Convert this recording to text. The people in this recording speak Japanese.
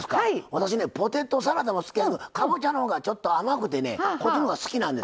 私ねポテトサラダも好きですけどかぼちゃのほうがちょっと甘くてこっちのほうが好きなんですよ。